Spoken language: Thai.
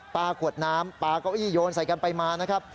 ขวดน้ำปลาเก้าอี้โยนใส่กันไปมานะครับ